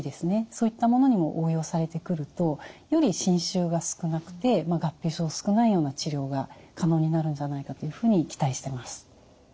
そういったものにも応用されてくるとより侵襲が少なくて合併症も少ないような治療が可能になるんじゃないかというふうに期待してます。